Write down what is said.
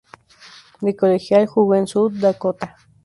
De colegial jugo en South Dakota.